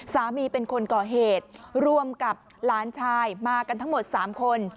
เป็นคนก่อเหตุรวมกับหลานชายมากันทั้งหมด๓คน